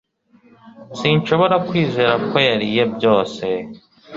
Sinshobora kwizera ko yariye byose